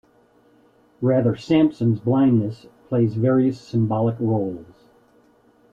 Rather, Samson's blindness plays various symbolic roles.